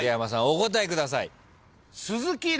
お答えください。